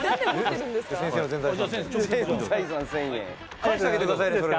返してあげてくださいねそれね。